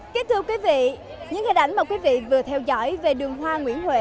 kính thưa quý vị những hình ảnh mà quý vị vừa theo dõi về đường hoa nguyễn huệ